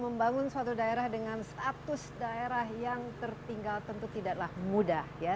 membangun suatu daerah dengan status daerah yang tertinggal tentu tidaklah mudah ya